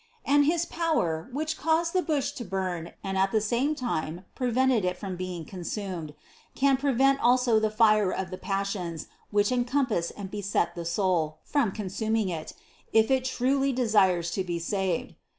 And his power, which caused the bush to burn and at the same time prevented it from being con sumed, can prevent also the fire of the passions which encompass and beset the soul, from consuming it, if it THE CONCEPTION 27 truly desires to be saved.